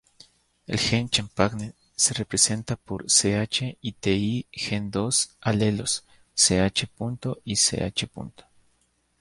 El gen champagne se representa por Ch y ti Gen dos alelos: Ch., ch.